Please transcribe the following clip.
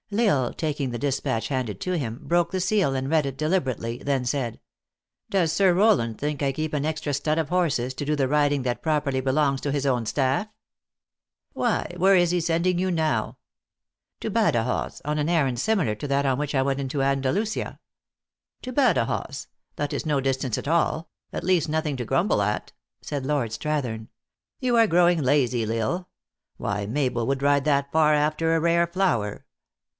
L Isle, taking the dispatch handed to him, broke the seal and read it deliberately, then said :" Does Sir Rowland think I keep an extra stud of horses, to do the riding that properly belongs to his own staff?" " Why, where is he sending you now ?"" To Badajoz, on an errand similar to that on which. I went into Andalusia." "To Badajoz? That is no distance at all; at least nothing to grumble at," said Lord Strathern. " You are growing lazy, L Isle. Why Mabel would ride that far after a rare flower.